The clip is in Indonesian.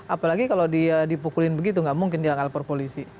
apalagi kalau dia dipukulin begitu nggak mungkin dia lapor polisi